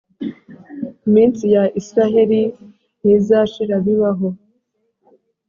iminsi ya Israheli ntizashira bibaho.